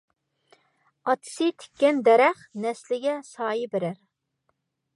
ئاتىسى تىككەن دەرەخ، نەسلىگە سايە بېرەر.